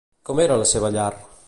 Com era la seva llar?